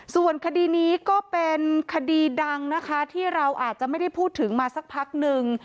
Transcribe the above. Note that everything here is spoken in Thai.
ส่วนคดีนี้ก็เป็นคดีดังนะคะที่เราอาจจะไม่ได้พูดถึงมาสักพักนึง